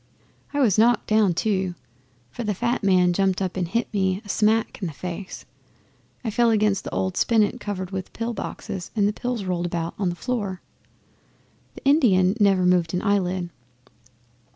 I was knocked down too, for the fat man jumped up and hit me a smack in the face. I fell against an old spinet covered with pill boxes and the pills rolled about the floor. The Indian never moved an eyelid.